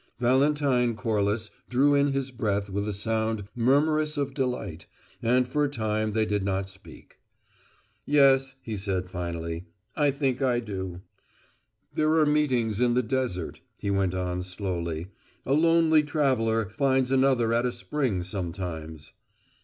Valentine Corliss drew in his breath with a sound murmurous of delight, and for a time they did not speak. "Yes," he said, finally, "I think I do." "There are meetings in the desert," he went on, slowly. "A lonely traveller finds another at a spring, sometimes."